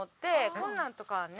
こんなんとかはね。